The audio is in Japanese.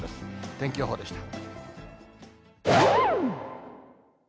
天気予報でした。